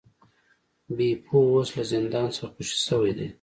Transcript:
بیپو اوس له زندان څخه خوشې شوی دی.